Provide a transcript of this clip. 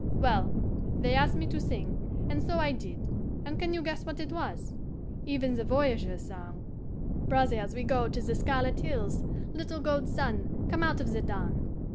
"Well, they asked me to sing, and so I did; and can you guess what it was? Even the voyageurs' song, 'Brothers, we go to the Scarlet Hills, (Little gold sun, come out of the dawn!)